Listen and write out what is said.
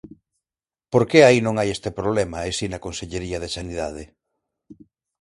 ¿Por que aí non hai este problema e si na Consellería de Sanidade?